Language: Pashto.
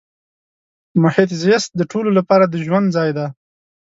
محیط زیست د ټولو لپاره د ژوند ځای دی.